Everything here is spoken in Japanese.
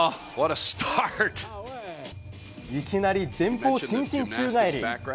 いきなり前方伸身宙返り。